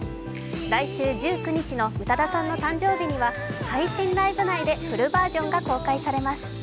来週１９日の宇多田さんの誕生日には配信ライブ内でフルバージョンが公開されます。